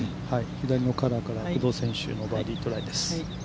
左のカラーから工藤選手のバーディートライです。